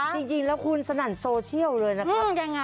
จริงแล้วคุณสนั่นโซเชียลเลยนะครับ